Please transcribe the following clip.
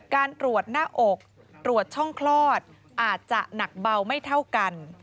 การตรวจหน้าอกตรวจช่องคลอดอาจจะหนักเบาไม่เท่ากัน